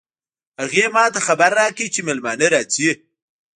هغې ما ته خبر راکړ چې مېلمانه راځي